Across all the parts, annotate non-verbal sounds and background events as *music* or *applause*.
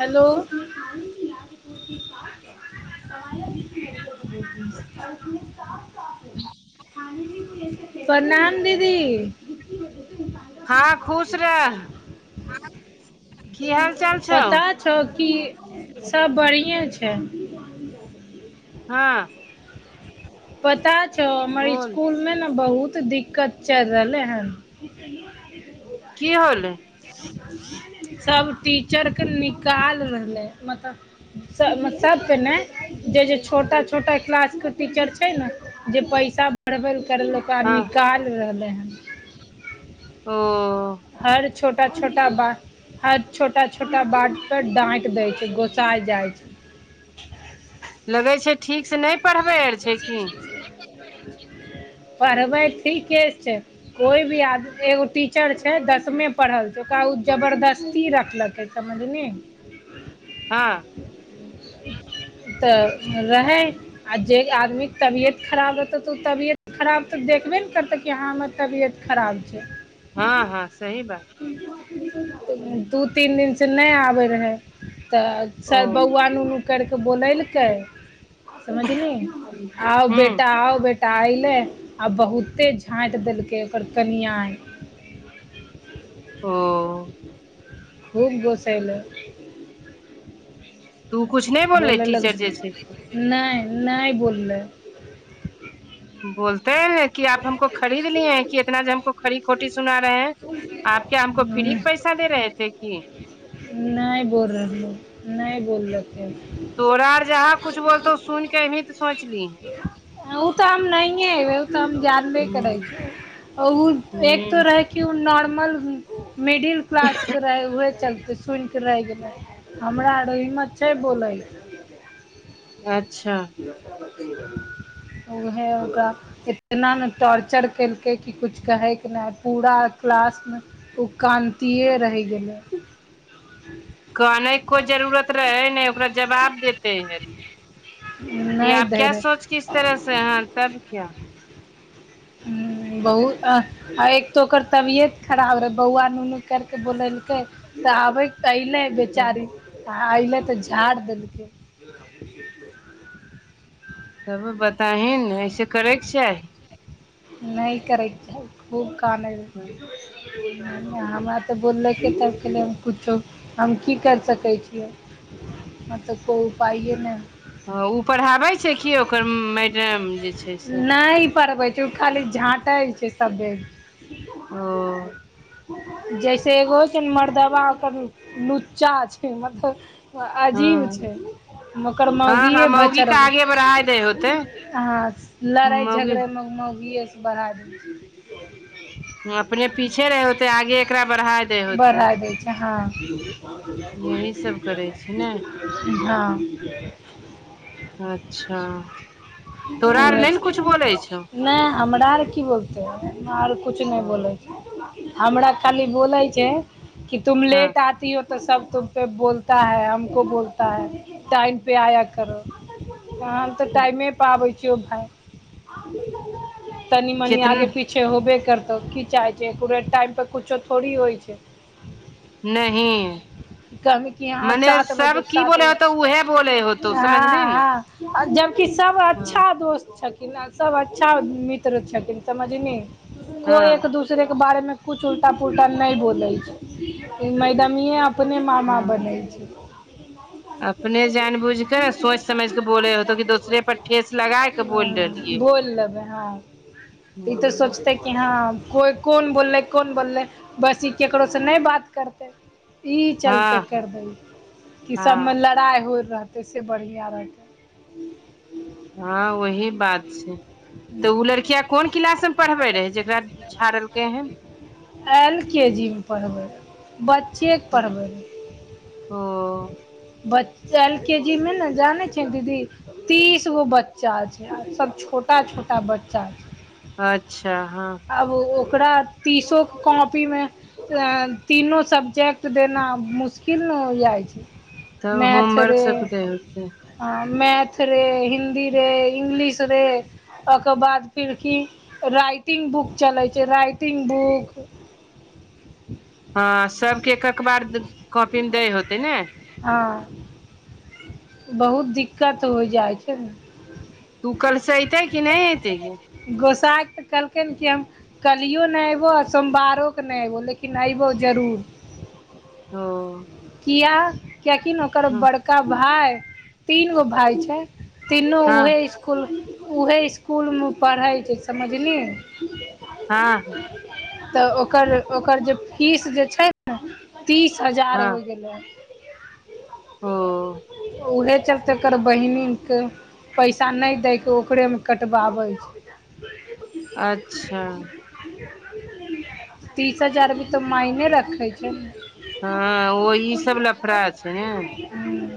Hello. *unintelligible* प्रणाम दीदी! हँ खुश रह। की हाल चाल छौ पताऽ छौ की, सब बढ़ियएँ छै। हँ। पता छौ हमर बोल स्कुल मे ने बहुत दि कच्चा रहल लै हन। की होलै सभ टीचरके निकाल रहलै हँज् स सबके ने, जे -जे छोटा -छोटा क्लास के टीचर छ छै ने, जे पैसा बढ़बै लए करै लए, ओकरा हँ निकालि रहलै हन। ओ। हर छोटा -छोटा वाक्य हर छोटा- छोटा बाट पर डाँट देय छै, गोसााय जाय छै। लगै छै, ठीक से नहि पढ़बै आर छै की? पढ़बे ठीके छै। कोई भी आदमी एगो टीचर छै, दसमे पढ़ल छै, ओकरा ओ जबरदस्ती रखलकै। समझ नी। हँ। तऽ रहै। आ जे आदमीके तबियत खराब रहतौ तऽ, ओ तबियत खराब तऽ देखबे ने करतै कि, हँ हमर तबियत खराब छै। हँ- हँ, सही बात। दू तीन दिनसँ नहि आबै रहै, तऽ ओ साय बौआ करके बोलेलकै, समझली, आओ हूँ बेटा, आओ बे टा अयलै, आ बहुते झाँइट देलकै ओकर कनिया। ओ। खूब गोसेले। उ किछु नहि बोलले टीचर जे छै से। नै, नै बोललै। बोलतेै ने कि आप हमको खरीद लिये है कि इतना जे हमको खड़ी खोटी सुना रहे है। आप क्या हमको फ्री के पैसा दे रहे थे की। नै बोल रहलौ, नै बोलकै। तोरा आर जहाँ कुछ बोलतौ सुन के एभी ते सोच लिहे। आ उ तऽ हम नहिये एबे उ तऽ हम जानबे करै हूँ छी उ एक तो हूँ रहै की उ नॉर्मल उम्म मिडिल क्लास के रहै उहे चलते। सुन के रैह गेलै, हमरा आरो हिम्मत छै बोलै अच्छा। उहे गा इतना नै टॉर्चर केलकै कि कुछ कहैके नै आय पूरा क्लासमे। उ कानतिये रैह गेलै। कानै के कोय जरूरत रहैै नै, ओकरा जवाब देते हे। कि नहि आप दै क्या रहै सोच के इस तरह से हां तब क्या। हुं तब बहुत आ आ एक तऽ ओकर तबियत खराब रहै बौअवा नुनु कैर कऽ बोलेलकै। तऽ आबै के ते एलै तब बेचारी, आ एलै तऽ झाड़ देलकै। तब बताही ने ऐसे करैके चाही। नै करै के चाही, खूब कानै हँ रहै। नै-नै हमरा तऽ बोललकै तब कहलिये हम कुछो हम की कर सकै छियै, हां ते कोय उपाइये नै हय। हां उ पढ़ाबै छै कि ओकर मैडम जे छै से। नै पढ़बै छै उ खाली झाँटे छै सब बे ओ। जैसे एगो होय छै ने मरदबा ओकर लुच्चा छै मतलब अ अजीब हँ छै, ओकर हँ हँ मौगिये मौगी के भचड़बै आगे बढ़ाय दै होतै हां मौगी लड़े-झगड़े मे मोगिये से बढ़ा दे छै। *unintelligible* अपने पीछे रहे होतै, आगे एकरा बढ़ा दे छै होतै, बढ़ा दै छै यही सब करै छै ने हां। अच्छा। तोरा आर नहि ने कुछ बोलै छौ *unintelligible* नै हमरा आर की बोलतै, हमरा आर कुछ नै ओ बोलै छै। हमरा खाली बोलै छै कि तुम हँ लेट आ ती हो तो सब तुम पे बोलता है, हमको बोलता है, टाइम पे आया करो। हम ते टा‌इमे पे आबै छियो भाय तनि-मनि कितना आगे पी छे होबे करतौ की चाहे छी एकुरेट टाइम पे कुछो थोड़ी होय छै। नहिये। कहलकै कि हां सात बजे, की सात बोले होतो उहे बोले होतो बजे समझली ने हां-हां। आ जबकि सब अच्छा दोस्त छ थिन आ सब अच्छा मित्र छथिन समझनी, कोय हँ एक-दूसरे के बारे मे कुछ उल्टा-पुल्टा नै बोलै छै, ई मैडमिये अपने मामा बनै छै। अपने जानबुझ के सोच समझ के बोलै होतो की दोसरे पर ठेस लगा के बोल रहलियै। बोल लबै हां। हां। *unintelligible* कोइ कोन बोललै, कोन बोललेै बस ई केकरो से नै बात करते। ई चलते हँ करतै कि सभमे हँ लड़ाइ हो रहतै से बढ़िया रहतै। हाँ वही बात छै। तऽ ओ लड़किया कोन क्लास में पढ़बे रहै, जेकरा झाड़लकै हन। एल के जी मे पढ़बै रहे। ब ब्चेक पढ़बै ओ रह बच एल के जी मे ने जानै छै दीदी? तीसगो बच्चा छै, सब छोटा छोटा बच्चा छै। अच्छा हाँ आब ओ ओकरा तीसो कॉपीमे तीनो सब्जेक्ट देना मुश्किल ने हो जाइ छै। तब होमवर्क सब दे होतै? हाँ मैथ रे, हिन्दीे रे, इंग्लिश रे ओकर बाद फिर की राइटिंग बुक चलै छै राइ टिगं बुक हाँ सबके एक एक बार कॉपी मे दै होतै ने? हाँ बहुत दिक्कत होइ जाइ छै। तू कलसे एतै की नहि एतै ग? गोसाय के तऽ कहलकै न कि हम कल्हिओ नहि अयबो आ सोमवारोके नहि अयबो लेकिन अयबो जरूर। ओ किया कियकि ने ओकर बड़का भाय, तीन गो भाय छै। तीनू हँ उएहे इसकुल उएहे इसकुलमे उ पढ़ै छै समझली? हाँ तऽ ओकर ओकर जे फीस जे छै? तीस हजार हँ होइ गेलै हन। ओ उहे चलत एकर बहिनी के पैसा नहि दैके, ओकरे कटबाबै छै। अच्छा तीस हजार भी तऽ मायने रखे छै। हाँ ओही सब लफड़ा छै ने? हूँ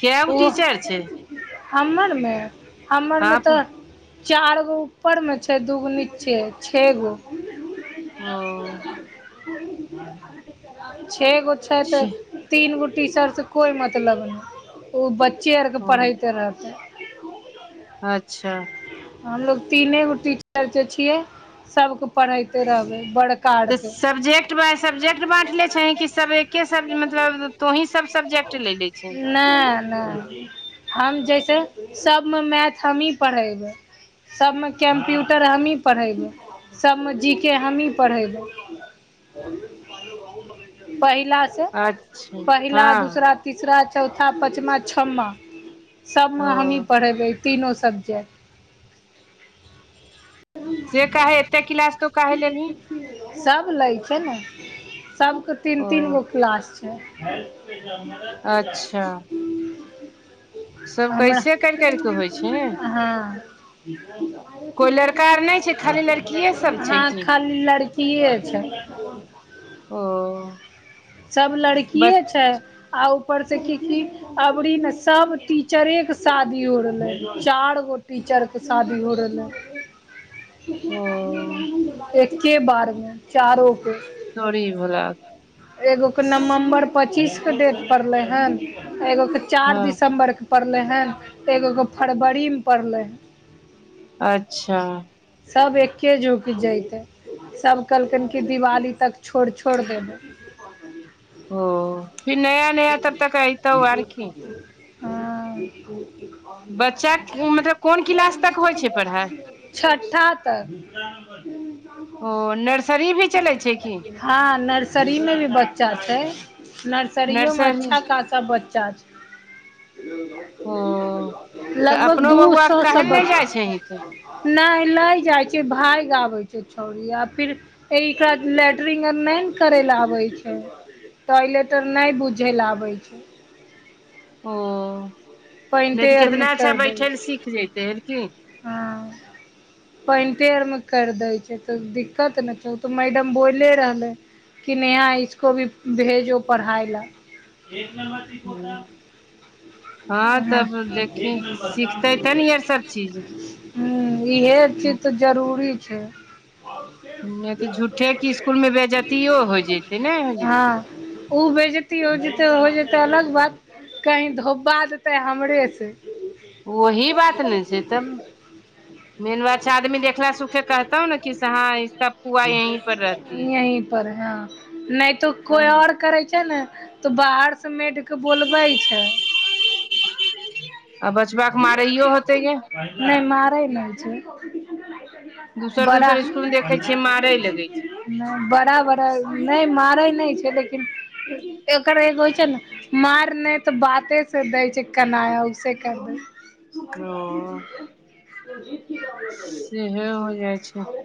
कै गो ओ टीचर छै हमरमे हमरमे आप तऽ चार गो ऊपरमे छै, दूगो नीचे, छे गो। ओ छे गो छै त छी तीन गो टीशर् कोइ मतलब नहि, ओ बच्चे आरके ओ पढ़ैते रहतै। अच्छा हमलोग तीने गो टीचर जे छियै, सभके पढ़ैते रहबै बड़ तऽ सब्जेक्ट सब्जेक्ट बाय सब्जेक्ट बाँट ले छै, कि सब एके सब मतलब तो ही सब सब्जेक्ट ले ले छै? नै नै हम जैसे सबमे मैथ हमही पढ़ेबै। सभमे कम्प्यूटर हमही पढ़ैबै, सभमे जी के हमही पढ़ैबै। पहिला से, अच्छा पहिला हँ दूसरा तीसरा चौथा पचमा छमा, सबमे हमही ओ पढ़ेबै। तीनो सबजैक्ट। से काहे एते किलास तु काहे लेबही? सब लै छै ने, सबके तीन ओ तीन गो क्लास छै। हेल ज *unintelligible* अच्छा। सब हमरा, कैसे कर कर के होइ छै हँ। कोइ लड़का आर नहि छै खाली लड़किये सब छै हं की खाली लड़किए छै। ओ सब बच लड़किये छै आ ऊपर से की की अबरी ने सब टीचरे के शादी हो रहले, चार गो टीचर शादी हो रहले हे ओ एके बार मे चारो के। तोरी भोला एगो के नवम्बर पच्चीस के डेट पड़ले हन, एगो के चार हँ दिसम्बर के पड़लै हँ एगो के फरबरीमे पड़लै हें। अच्छा। सब एके झुकि जैते। सभ कहलकिन कि दिवाली तक छोड़ छोड़ देबै। ओ, फिर नया नया तब तक अइतौ आरकी। हँ। बच्चा क- मतलब कोन क्लास तक होइ छै पढ़ाइ छठा तक। ओ नर्सरी भी चलै छै की? हँ नर्सरी मे भी बच्चा छै, नर्सरियो मे नर्सरी खासा बच्चा छै। ओ तऽ लगभग अपनो दू बौआ सौ काहे सब ले नहि जाइ बच्चा छही तऽ नहि नै जाइ छै, भागि आबै छै छौड़ी आ फिर इ एकरा लेट्रिग आर ने करे ले आबे छै, टॉयलेट आर नै बुझ चलि आबै छै। ओ नै पैंटे तऽ आरमे केतना अच्छा कर दै बैठै ले छै सीख जतैहे रे कि। हँ। पाइन्टै आरमे केरि दै छै तऽ दिक्कत नै छै ओ तऽ मैडम बोले रहलै। कि नेहा इसको भी भेजो पढ़ाइ ले। *inaudible* हँ तब देखी सिखतै *unintelligible* चीज हुं इहे चीज तऽ जरूरी छै। हँ, नहि तऽ झूठे के स्कूल में बेजतियो हो जते नहि हो जते ओ कहै छै हो जेतै हो जेतै अलग बात, कही धोबा जेतै हमरे से वही बात ने छै तब मेन बात छै आदमी देखला सुखे कहतो ने कि हाँ इसका फुआ यहीं पर रहती है। नै त कोइ तब और करै छै ने त बाहर त मेड के बोलबै छै। आ बचबा के मारैयो होत नै मारै नै छै। दोसर बड़ा दोसर स्कुल मे देखे छियै मारे लगे छै नै बड़ा-बड़ा नै मारै नै छै लेकिन एकर एगो होय छै नै माएर नै तऽ बाते से दै छै कनाय उ से कर दै हां। बोल्ही नै सेहे होय जाए *unintelligible* छै। हुं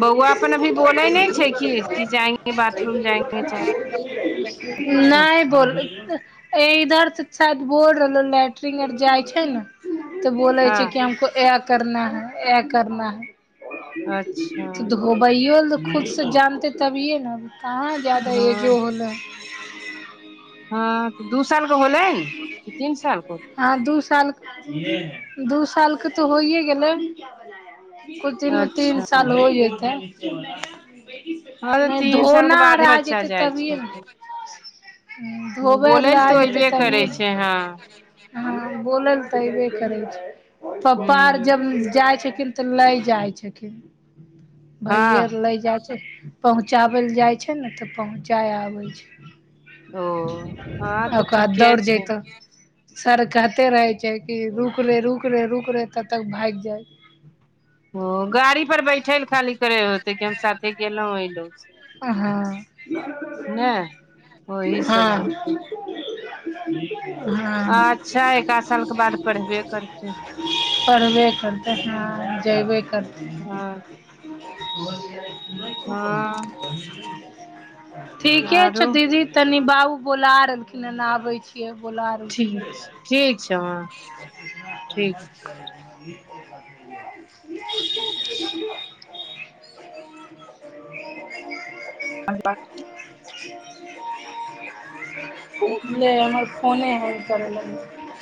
बौआ अपन अभी बोले नहि छै कि कि जाएंगे बाथरूम जाएंगे चाहे कुछो नै बोल ए ऐ इधर से शायद बोल रहलो लेट्रिंग आर जाय छै नै त बोलय हँ छै कि हमको ऐ करना है, ऐ करना है। त अच्छा धोबईयो ल खुद से जानते तभिए नै कहाँ जादा एजो हँ होलय ऐ। हां तै दू साल के होलय हें नै की तीन साल के? हां दू साल के, दू साल के तै होइयै गेलय। कुछ दिन मे तीन अच्छा साल हो जेतय हँ तऽ नै तीन साल के धोना आर बादे आ बच्चा जेतय जाइ तभिए नै छै उ धोबय आर बोलै लए लै तऽ आ जेतय अयबे करै तभीए छै नै हँ हां बोलय लै त ऐबय करय छै, पप्पा आर हूँ जब जाए छथिन। त लय जाय छथिन, भईयै आर हँ लय जाए छै नै। पहुँचाबै लै जाए छै नै त पहुँचाय आबय छै ओ हँ तऽ आ ठीके छै सर कहते रहय छै कि रुक रे, रुक रे, रुक रे तब तक भाएग जाय छै। हां गाड़ी पर बैठय लै खाली करय होतय कि हम साथे गेलौं-अइलौं। अ हां-हां। ओही सब हां। होतै अच्छा एक आध साल के बाद करतै पढ़बे करतै, हां जएबे करतै। हँ ओ *unintelligible* हां। ठीके छो आरो दीदी तनी बाबू बोला रहलखिन्ह हें नाहबय छै। ईहे बोला रहलखिन। ठीक छै ठीक छै हँ *inaudible* *inaudible* *unintelligible* ठीक नै *unintelligible* फोने हम करा लागलिए।